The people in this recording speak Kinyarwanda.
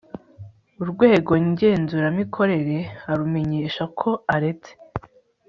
urwego ngenzuramikorere arumenyesha ko aretse